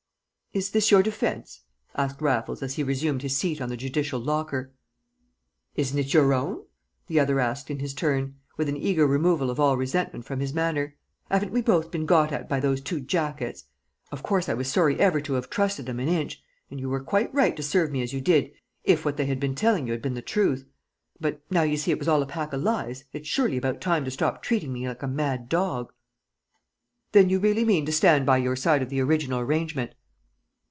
"Is this your defence?" asked Raffles as he resumed his seat on the judicial locker. "Isn't it your own?" the other asked in his turn, with an eager removal of all resentment from his manner. "'Aven't we both been got at by those two jackets? Of course I was sorry ever to 'ave trusted 'em an inch, and you were quite right to serve me as you did if what they'd been telling you 'ad been the truth; but, now you see it was all a pack of lies it's surely about time to stop treating me like a mad dog." "Then you really mean to stand by your side of the original arrangement?"